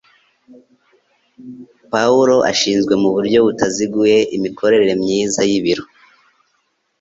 Pawulo ashinzwe mu buryo butaziguye imikorere myiza y'ibiro